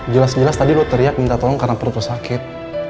jelas jelas tadi lo teriak minta tolong karena perut sakit